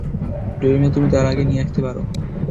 যদি না তুমি তার আগেই নিয়ে আসতে পারো।